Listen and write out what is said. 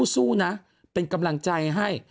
สู้นะเป็นกำลังใจให้